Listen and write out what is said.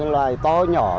loài to nhỏ